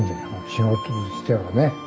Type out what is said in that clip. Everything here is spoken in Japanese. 仕事としてはね。